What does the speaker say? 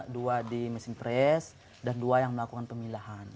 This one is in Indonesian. dua di mesin press dan dua yang melakukan pemilahan